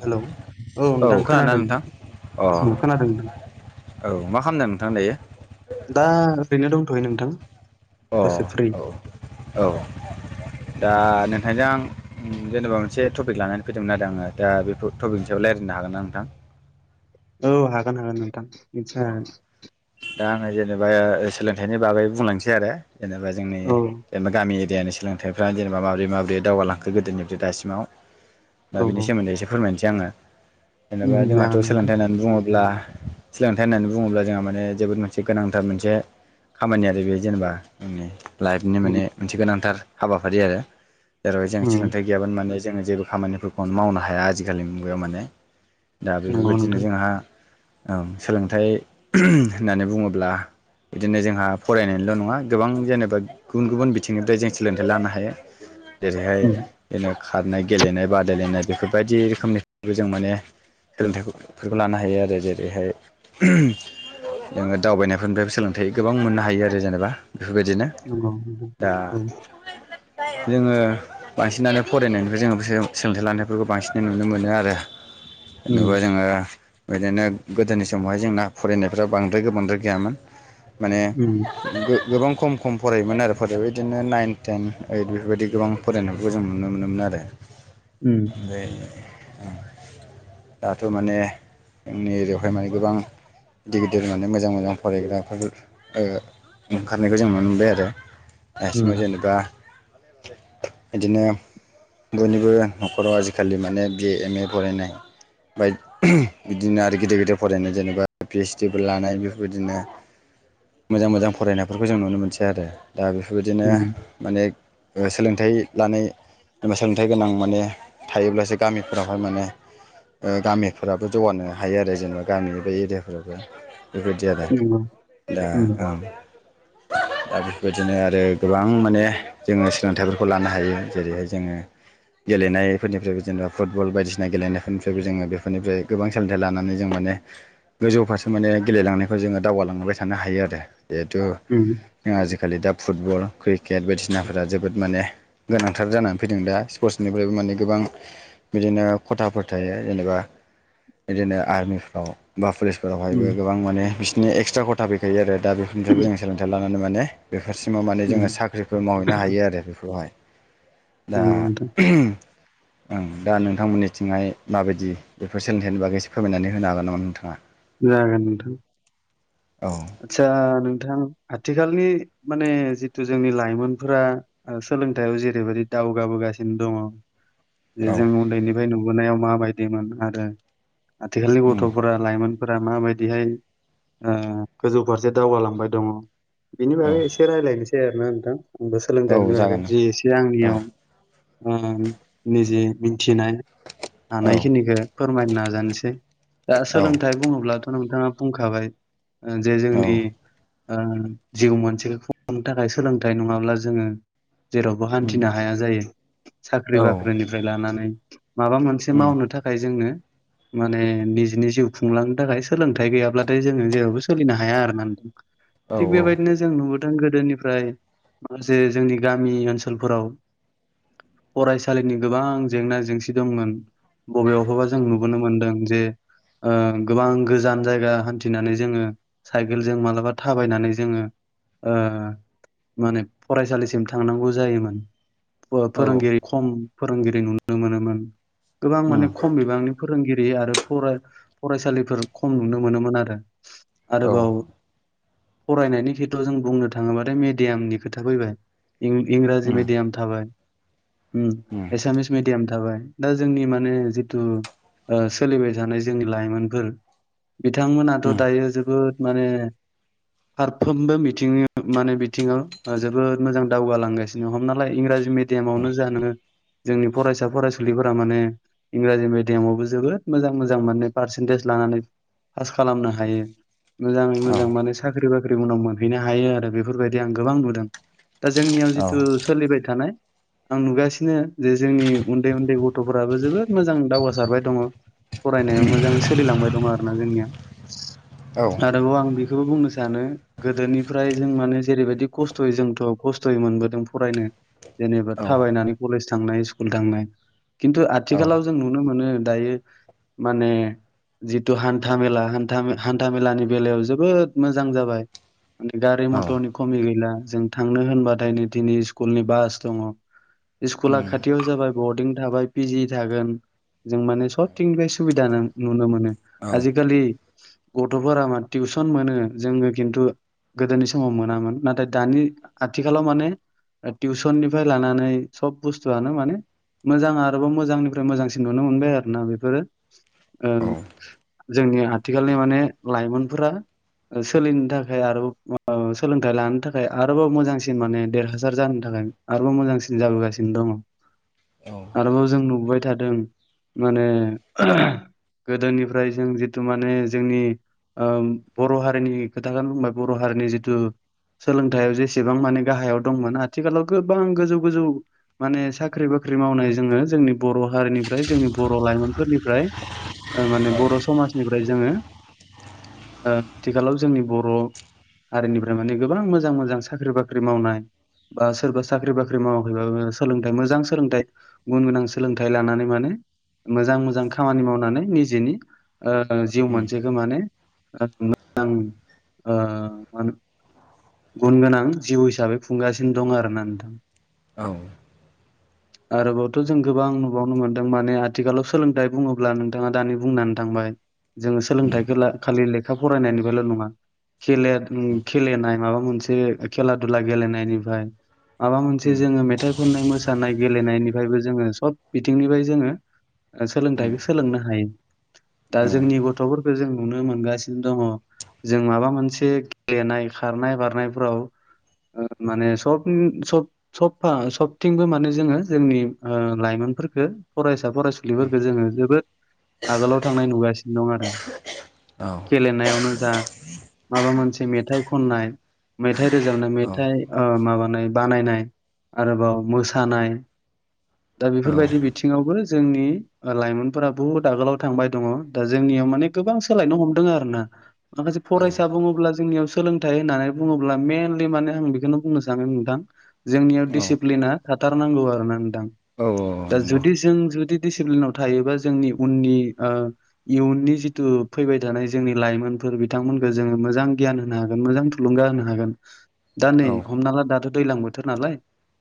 Hello औ नोंथां खोनादोंना खोनादों नोंथां अ औ खोनादों नोंथां औ मा खालामदों नोंथां दायो दा ओरैनो दंथ'यो नोंथां अ दसे फ्रि औ औ दा नों नोंथजों आं जेनेबा मोनसे टपिक लानानै फैदोंमोन आरो आङो दा बे टपिकनि सायाव रायलायनो हागोन ना नोंथां? औ हागोन हागोन नोंथां निसय हागोन दा आङो जेनेबा ओ सोलोंथाइनि बागै बुंलांनोसै आरो जेनेबा जोंनि औ जेनेबा गामि एरियानि सोलोंथाइफ्रा जेनेबा माबोरै माबोरै दावगालांखो गोदोनिफ्राय दासिमाव दा औ बिनि औ सोमोन्दै एसे फोरमायनोसै आङो जेनेबा उम जागोन जोंहाथ' नोंथां सोलोंथाइ होननानै बुङोब्ला सोलोंथाइ होननानै बुङोब्ला जोंहा माने जोबोद मोनसे गोनांथार मोनसे खामानि आरो बे जेनेबा जोंनि लाइफनि उम माने मोनसे गोनांथार हाबाफारि आरो जेरावहाय जों उम सोलोंथाइ गैयाबोन माने जोङो जेबो खामानिफोरखौनो मावनो हाया आजिखालि मुगायाव माने दा नंगौ बेफोरबायदिनो नोंथां जोंहा ओ सोलोंथाइ होननानै बुङोब्ला बिदिनो जोंहा फरायनायल' नङा गोबां जेनेबा गुबुन गुबुन बिथिंनिफ्राय जों सोलोंथाइ लानो हायो जेरैहाय उम जेनो खारनाय गेलेनाय बादायलायनाय बेफोरबायदि रोखोमनिफ्रायबो जों माने सोलोंथाइफोरखौ लानो हायो आरो जेरैहाय जोङो दावबायनायफोरनिफ्रायबो सोलोंथाइ गोबां मोननो हायो आरो जेनेबा बेफोरबायदिनो नंगौ नोंथां दा औ जोङो बांसिनानो फरायनायनिफ्राय जोङो सोलोंथाइ लानायफोरखौ बांसिनै नुनो मोनो आरो उम नंडाब जोङो बिदिनो गोदोनि समावहाय जोंना फरायनायफ्राव बांद्राय गोबांद्राय गैयामोन माने उम गोबां खम खम फरायोमोन आरो फरायबाय बिदिनो नाइन टेन ओइद बेफोरबायदि गोबां फरायनायखौ जों नुनो मोनोमोन आरो उम दे दाथ' माने जोंनि एरियायावहाय माने गोबां गिदिर गिदिर माने मोजां मोजां फरायग्राफोर ओंखारनायखौ जों नुनो मोनबाय आरो उम नासिङाव जेनेबा बिदिनो बयनिबो न'खराव आजिखालि माने बिए एम ए फरायनाय बिदिनो आरो गेदेर गेदेर फरायनाय जेनेबा पिओइसडि फोर लानाय बेफोरबायदिनो मोजां मोजां फरायनायफोरखौ जों नुनो मोनसै आरो दा बेफोरबायदिनो उम माने सोलोंथाइ लानाय एबा सोलोंथाइ गोनां माने थायोब्लासो गामिफोरावहाय माने गामिफोराबो जौगानो हायो आरो जेनेबा गामि बे एरियाफोरावबो बेबायदि आरो नंगौ दा उम दा बेफोरबायदिनो आरो गोबां माने जोङो सोलोंथाइफोरखौ लानो हायो जेरैहाय जोङो गेलेनायफोरनिफ्रायबो जेनेबा फुटबल बायदिसिना गेलेनायफोरनिफ्रायबो जोङो बेफोरनिफ्राय गोबां सोलोंथाइ लानानै जों माने गोजौ फारसे माने गेलेलांनायखौ जोङो दावगालांबाय थानो हायो आरो जिहेथु उम जों आजिखालि दा फुटबल क्रिकेट बायदिसिनाफोरा जोबोद माने गोनांथार जानानै फैदों दा स्पर्टसनिफ्रायबो माने गोबां बिदिनो खथाफोर थायो जेनेबा बिदिनो आर्मिफ्राव बा उम पुलिसफोरावहायबो गोबां माने बिसिोरनि एक्सट्रा खथा फैखायो आरो दा बेफोरनिफ्रायबो जों सोलोंथाइ लानानै माने बेफोरसिमाव माने उम जोङो साख्रिफोर मावहैनो हायो आरो बेखौहाय दा नंगौ नोंथां ओं दा नोंथांमोननिथिंहाय माबायदि बेफोर सोलोंथनि बागै एसे फोरमायनानै होनो हागोन नामा नोंथाङा जागोन नोंथां औ आतसा नोंथां आथिखालनि माने जिथु जोंनि लाइमोनफोरा सोलोंथाइयाव जेरैबायदि द दावगाबोगासिनो दङ जे औ जों उन्दैनिफ्राय नुबोनायाव माबायदिमोन आरो आथिखालनि उम गथ'फोरा लाइमोनफोरा माबायदिहाय गोजौ फारसे दावगालांबाय दङ बिनि बागै औ एसे रायज्लायनोसै आरोना नोंथां आंबो औ सोलोंथाइनि बागै जागोन जि एसे औ आंनियाव निजे मिथिनाय औ हानायखिनिखौ फोरमायनो नाजानोसै दा औ सोलोंथाइ बुङोब्लाथ' नोंथाङा बुंखाबाय जे औ जोंनि जिउ मोनसेखौ खुंनो थाखाय सोलोंथाइ नङाब्ला जोङो जेरावबो उम हान्थिनो हाया जायो साख्रि औ बाख्रिनिफ्राय लानानै माबा मोनसे उम मावनो थाखाय जोंनो माने निजनि जिउ खुंलांनो थाखाय सोलोंथाइ गैयाब्लाथाय जोङो जेरावबो सोलिनो हाया आरो ना औ थिग बेबायदिनो जों नुबोदों गोदों गोदोनिफ्राय माखासे जोंनि गामि ओनसोलफोराव फरायसालिनि गोबां जेंना जेंसि दंमोन बबेयावहबा जों नुबोनो मोनदों जे गोबां गोजान जायगा हान्थिनानै जोङो साइकेलजों मा्लाबा थाबायनानै जोङो माने फरायसालिसिम थांनांगौ जायोमोन फोरोंगिरि उम खम फोरोंगिरि नुनो मोनोमोन गोबां माने खम बिबांनि फोर फोरोंगिरि आरो फरा फरायसालिफोर खम नुनो मोनोमोन आरो औ आरोबाव फरायनायनि खेत्रआव जों बुंनो थाङोबाथाय मेडियामनि खोथा फैबाय इं इंराजि उम मिडियाम थाबाय उम एसामिस मिडियाम थाबाय दा जोंनि माने जिथु ओ सोलिबाय थानाय जोंनि लाइमोनफोर बिथांमोनाथ' उम दायो जोबोद माने फारफ्रोमबो बिथिं माने बिथिङाव जोबोद मोजां दावगालांगासिनो हमनाला इंराजि मि देमावनो [unintelligible] जोंनि फरायसा फरायसुलिफोरा माने इंराजि मिडियामावबो जोबोद मोजां मोजां माने पारसेन्टेज लानानै पास खालामनो हायो। मोजाङै औ मोजां माने साख्रि बाख्रि उनाव मोनहैनो हायो आरो बेफोरबायदि आं गोबां नुदों दा जोंनियाव औ जिथु सोलिबाय थानाय आं नुगासिनो जे जोंनि उन्दै उन्दै गथ'फोराबो जोबोद मोजां दावगासारबाय दङ'। फरायनायाव मोजाङै सोलिलांबाय दं आरो ना जोंनिया आरोबाव आं बेखौबो बुंनो सै दानो गोदोनिफ्राय जों माने जेरैबायदि कस्थ'यै जोंथ' कस्थ'यै मोनबोदों फरायनो जेनेबा औ थाबायनानै कलेज थांनाय स्कुल थांनाय किन्तु आथिखालाव औ जों नुनो मोनो दायो माने जितु हान्था मेला हान्था मे हान्था मेलानि बेलायाव जोबोद मोजां जाबाय गारि औ मथरनि खमि गैला जों थांनो होनबाथाय नै दिनै स्कुलनि बास दङ' इस्कुला उम खाथियाव जाबाय बरडिं थाबाय पिजि थागोन जों माने सबथिंनिफ्राय सुबिदा नुनो मोनो औ आजिखालि गथ'फोरा मा टिउसन मोनो जोङो खिन्थु गोदोनि समाव मोनामोन नाथाय दानि आथिखालाव माने टिउसननिफ्राय लानानै सब बुस्थुआनो माने मोजां आरोबाव मोजांनिफ्राय मोजांसिन नुनो मोनबाय आरो ना बेफोरो ओ औ जोंनि आथिखालनि माने लाइमोनफोरा सोलिनो थाखाय आरोबाव सोलोंथाइ लानो थाखाय आरोबाव मोजांसिन माने देरहासार जानो थाखाय मो आरोबाव मोजांसिन जाबोगासिनो दङ' औ आरोबाव जों नुबोबाय थादों माने गोदोनिफ्राय जों जितु माने जोंनि ओ बर' हारिनि खोथाखौनो बुंबाय बर' हारिनि जिथु सोलोंथायाइयाव जेसेबां माने गाहायाव दंमोन आथिखालाव गोबां गोजौ गोजौ माने साख्रि बाख ख्रि मावनाय जोङो जोंनि बर' हारिनिफ्राय जोंनि बर' लाइमोनफोरनिफ्राय माने बर' समाजनिफ्राय जोङो [inaudible] ओ आथिखालाव जोंनि बर' हारिनिफ्राय माने गोबां मोजां मोजां साख्रि बाख्रि मावनाय बा सोरबा साख्रि बाख्रि मावाखैबाबो सोलोंथाइ मोजां सोलोंथाइ गुन गोनां सोलोंथाइ लानानै माने मोजां मोजां खामानि मावनानै निजेनि ओ जिउ उम मोन मानें [unintelligible] ओ [unintelligible] गुन गोनां जिउ हिसाबै खुंगासिनो दं आरोना नोंथां औ आरोबावथ' जों गोबां नुबावनो मोन्दों माने आथिखालाव सोलोंथाइ बुङोब्ला नोंथाङा दानि बुंनानै थांबाय जोङो उम सोलोंथाइखौ ला खालि लेखा फरायनायनिफ्रायल' नङा खेलेर खेलेनाय माबा मोनसे खेला दुला गेलेनायनिफ्राय माबा मोनसे उम जोङो मेथाइ खननाय, मोसानाय गेलेनायनिफ्रायबो जोङो सब बिथिंनिफ्राय जोङो उम सोलोंथाइखौ सोलोंनो हायो दा औ जोंनि गथ'फोरखौ जों नुनो मोनगासिनो दङ' जों माबा मोनसे गेलेनाय खारनाय बारनायफोराव ओ माने सब सब सबफा सबथिंबो माने जोङो जोंनि ओ लाइमोन खो फरायसा फरायसुलिफोरफोरखौ जोङो जोबोद आगोलाव थांनाय नुगासिनो दं आरो औ गेलेनायावनो जा माबा मोनसे मेथाइ खननाय मे थाइ रोजाबनाय औ मेथाइ माबानाय ओ बानायनाय आरोबाव मोसानाय दा औ बेफोरबायदि बिथिङावबो जोंनि लाइमोनफोरा बुहुद आगोलाव थांबाय दङ दा जोंनियाव माने गोबां सोलायनो हमदों आरोोना माखासे औ फरायसा बुङोब्ला जोंनियाव सोलोंथाइ होननानै बुङोब्ला मेइनलि माने आं बेखौनो बुंनो सानो नोंथां जोंनियाव औ दिडिसिप्लिना थाथारनांगौ आरो ना नोंथां औ दा नंगौ जुदि जों जुदि दिसिप्लिनाव थायोबा जोंनि उननि ओ इयुननि जिथु फैबाय थानाय जोंनि लाइमोन फोर बिथांमोनखौ जोङो मोजां गियान होनो हागोन मोजां थुलुंगा होनो हागोन दा नै औ हमना ला दाथ' दैजलां बोथोर नालाय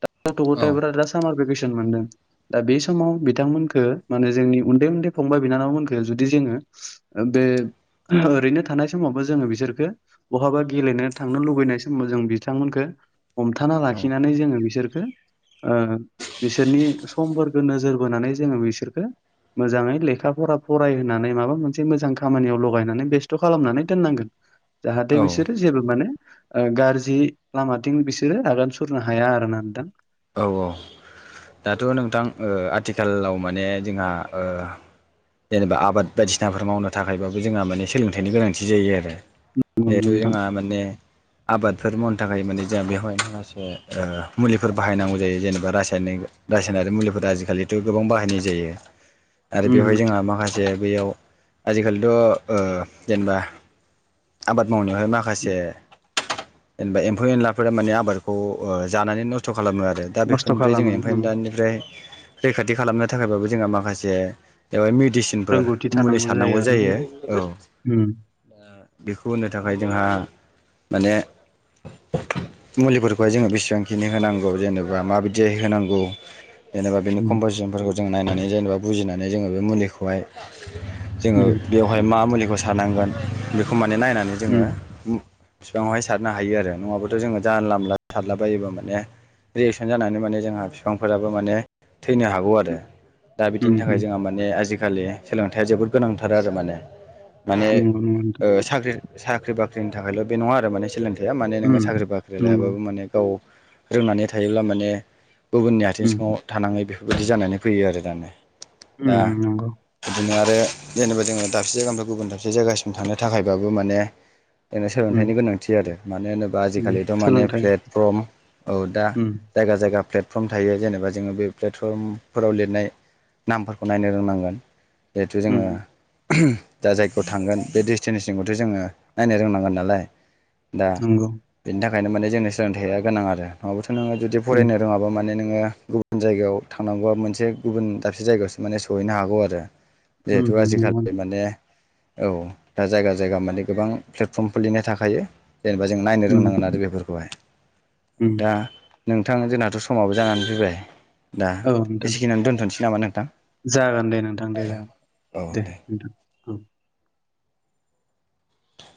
द गथ' गथायफ दा सामार भेकेसन मोनदों दा बे समाव बिथांमोनखो माने जोंनि उनदै उनदै फंबाय बिनानावमोनखो जुदि जोङो बे ओरैनो थानाय समावबो जोङो बिसोरखौ बहाबा गेलेनो थांनो लुबैनाय समाव जों बिथांमोनखौ हमथाना औ लाखिनानै जोङो बिसोरखो ओ बिसोरनि समफोरखौ नोजोर बोनानै जोङो बिसोरखौ मोजाङै लेखा फरा फरायहोनानै माबा मोनसे मोजां खामानियाव लगायनानै बेसथ' खालामनानै दोननांगोन जाहाथे औ बिसोरो जेबो माने ओ गाज्रि लामाथिं बिसोरो आगान सुरनो हाया आरोना नोंथां औ औ दाथ' नोंथां ओ आथिखालाव माने जोंहा ओ जेनेबा आबाद बायदिसिनाफोर मावनो थाखायबाबो जोंहा माने सोलोंथाइनि गोनांथि जायो आरो जिहेथु नोंथां जोंहा माने आबादफोर मावनो थाखाय माने जों बेवहाय माखासे मुलिफोर बाहायनांगौ जायो जेनेबा रासायन रासायनारि मुलिफोरा आजिखालिथ' गोबां बाहायनाय जायो आरो बेवहाय उम जोंहा माखासे बैयाव आजिखालिथ' ओ जेनेबा आबाद मावनायावहाय माखासे जेनेबा एमफौ एनलाफोरा माने आबादखौ जानानै नस खालामो आरो दा नस्थ' बेफोरनिफ्राय जोंङो खालामो ओमफ्राय उम दानिफ्राय रैखाथि खालामनो थाखायबाबो जोंहा माखासे बेहाय मेदि सिनफोर रोंगौथि मुलि थानांगौ सारनांगौ आरोना जायो औ उम बेखौ होनो थाखाय जोंहा माने मुलिफोरखौहाय जोङो बेसेबांखिनि होनांगौ जेनेबा माबायदि होनांगौ जेनेबा बेनि उम कम्पिसनफोरखौ जों नायनानै जेनेबा बुजिनानै जोङो बे मुलिखौहाय जोङो उम बेवहाय मा मुलिखौ सारनांगोन बेखौ माने नायनानै जोङो उम बिबांवहाय सारनो हायो आरो नङाबथ' जोङो जानला मोनला सारलाबायोबाथ' माने रियेक्सन जानानै माने जोंहा बिफांफोराबो माने थैनो हागौ आरो दा उम बिदिनि थाखाय उम जोंहा माने आजिखालि खालि सोलोंथाइया जोबोद गोनांथार आरो माने माने नंगौ नोंथां साख्रि साख्रि बाख्रिनि थाखायल' बे नङा आरो माने सोलोंथाइया माने नोङो उम साख्रि बाख्रि नंगौ लायाबाबो माने गाव रोंनानै थायोब्ला माने गुबुननि आथिं उम सिङाव थानाङै बे बेफोरबायदि जानानै फैयो आरो दानया ओम ओम नंगौ आरो जेनेबा जोङो दाबसे जायगानिफ्राय गुबुन दाबसे जायगासिम थांनो थाखायबाबो माने नो उम सोलोंथाइनि गोनांथि आरो मानो होनोब्ला उम आजिखालिथ' माने सोलोंथाइ प्लेटफर्म औ दा उम जायगा जायगा फ्लेट फर्म थायो जेनेबा जोङो बे प्लेटफर्मफोराव लिरनाय नामफोरखौ नायनो रोंनांगोन जिहेथु जोङो उम दा जायखौ थांगोन बे डेस्टिनेसनखौथ' जोङो नायनो रोंनांगोन नालाय दा नंगौ बेनि थाखायनो माने जोंनि सोलोंथाइया गोनां आरो नङाबाथ' नोङो जुदि उम फरायनो रोङाबा माने नों नोङो गुबुन जायगायाव थांनांगौबा मोनसे गुबुन दाबसे जायगायावसो माने सहैनो हागौ आरो जिहेथु उम नंगौ आजिखालि माने औ दा जायगा जायगा माने गोबां प्लेटफर्म खुलिनाय थाखायो जेनेबा जों नायनो उम रोंनांगोन आरो बेफोरखौहाय उम दा नोंथां जोंनााथ समाबो जानानै फैबाय दा औ नोंथां एसेखिनियानो दोनथनोसै नामा नोंथां जागोन दे नोंथां दे जागोन दे नोंथां औ